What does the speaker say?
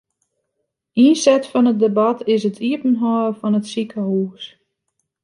Ynset fan it debat is it iepenhâlden fan it sikehús.